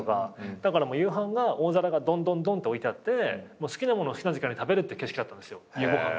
だから夕飯が大皿がどんどんどんって置いてあって好きな物好きな時間に食べるって形式だったんですよ夕ご飯は。